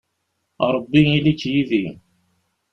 A Ṛebbi ili-k yid-i.